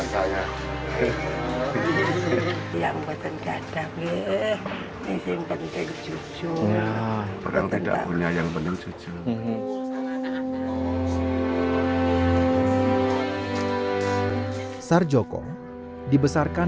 saya yang terima saya juga akan berikan